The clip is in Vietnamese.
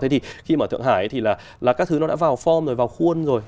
thế thì khi mà ở thượng hải ấy thì là các thứ nó đã vào form rồi vào khuôn rồi